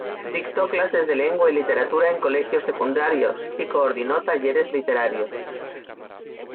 Dictó clases de Lengua y Literatura en colegios secundarios y coordinó talleres literarios.